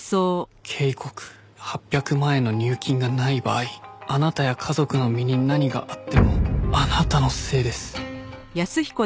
「警告８００万円の入金がない場合あなたや家族の身に何があってもあなたのせいです」